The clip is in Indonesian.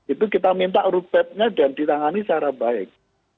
itu kita minta rupetnya dan ditangani secara baik